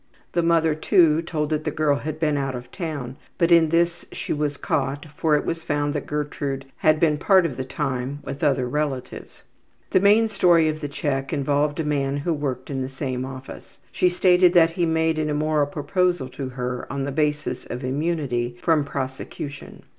The mother, too, told that the girl had been out of town, but in this she was caught, for it was found that Gertrude had been part of the time with other relatives. The main story of the check involved a man who worked in the same office. She stated that he made an immoral proposal to her on the basis of immunity from prosecution.